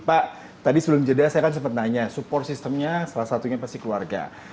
pak tadi sebelum jeda saya kan sempat nanya support systemnya salah satunya pasti keluarga